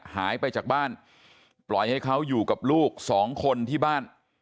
หายไปจากบ้านปล่อยให้เขาอยู่กับลูกสองคนที่บ้าน